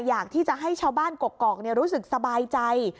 อยากที่จะให้ชาวบ้านกกอกรู้สึกสบายใจ